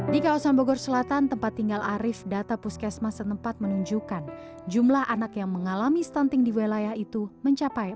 di kawasan bogor selatan tempat tinggal arief data puskesmas setempat menunjukkan jumlah anak yang mengalami stunting di wilayah itu mencapai empat puluh